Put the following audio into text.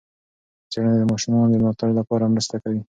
څېړنه د ماشومانو د ملاتړ لپاره مرسته کوي.